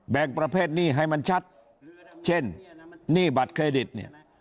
ประเภทหนี้ให้มันชัดเช่นหนี้บัตรเครดิตเนี่ย